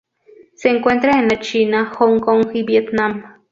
Se encuentra en la China, Hong Kong y Vietnam.